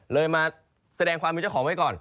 เลยมาแสดงความมีเจ้าของไว้ก่อน